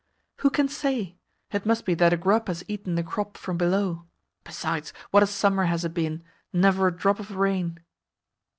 "Who can say? It must be that a grub has eaten the crop from below. Besides, what a summer has it been never a drop of rain!"